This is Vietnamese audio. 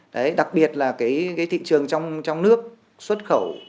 đấy đặc biệt là cái thị trường trong nước xuất khẩu